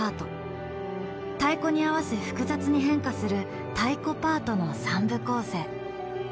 太鼓に合わせ複雑に変化する太鼓パートの３部構成。